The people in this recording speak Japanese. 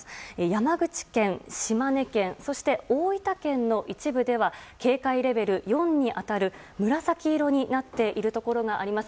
山口県、島根県そして大分県の一部では警戒レベル４に当たる紫色になっているところがあります。